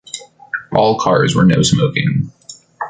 All cars were no-smoking.